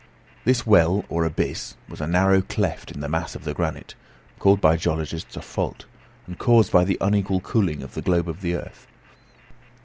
This well, or abyss, was a narrow cleft in the mass of the granite, called by geologists a 'fault,' and caused by the unequal cooling of the globe of the earth.